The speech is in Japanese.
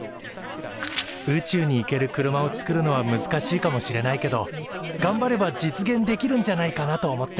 宇宙に行ける車をつくるのは難しいかもしれないけどがんばれば実現できるんじゃないかなと思って。